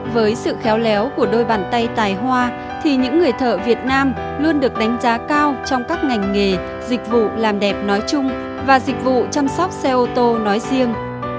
với sự khéo léo của đôi bàn tay tài hoa thì những người thợ việt nam luôn được đánh giá cao trong các ngành nghề dịch vụ làm đẹp nói chung và dịch vụ chăm sóc xe ô tô nói riêng